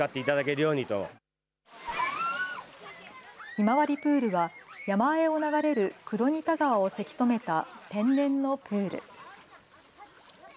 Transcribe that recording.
ひまわりプールは、山あいを流れる黒仁田川をせき止めた天然のプール。